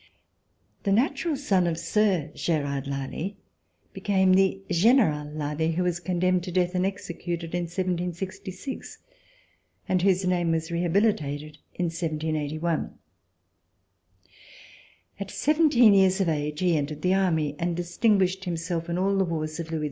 The natural son of Sir Gerard Lally became the General Lally who was condemned to death and executed in 1766 and whose name was rehabilitated in 1781. At seventeen years of age he entered the Army and distinguished himself in all the wars of Louis XV.